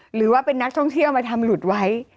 หรือว่าเป็นนักท่องเที่ยวมาทำหลุดไว้